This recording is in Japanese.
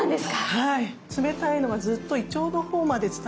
はい。